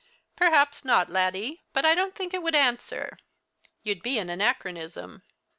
"Perhaps not, Laddie; but I don't think it would answer. You'd be an anachronism."